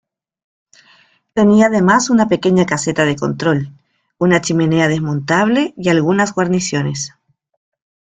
Tenía además una pequeña caseta de control, una chimenea desmontable y algunas guarniciones.